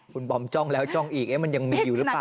คุณบอมจ้องแล้วจ้องอีกมันยังมีอยู่หรือเปล่า